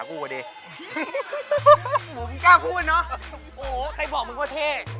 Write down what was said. โอ้โหใครบอกมึงว่าเท่